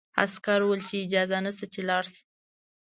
عسکر وویل چې اجازه نشته چې لاړ شم.